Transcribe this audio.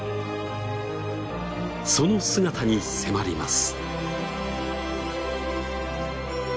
その姿に迫ります。